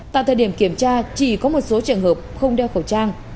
tại thời điểm kiểm tra chỉ có một số trường hợp không đeo khẩu trang